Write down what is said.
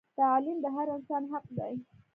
تعلیم د هر انسان حق دی